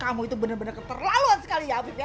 kamu itu benar benar keterlaluan sekali ya habib ya